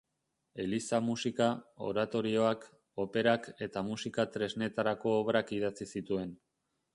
Eliza-musika, oratorioak, operak eta musika-tresnetarako obrak idatzi zituen.